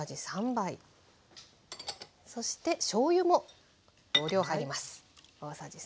そしてしょうゆも同量入ります。